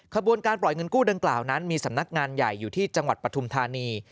ขบวนการปล่อยเงินกู้ดังกล่าวนั้นมีสำนักงานใหญ่อยู่ที่จังหวัดปฐุมธานี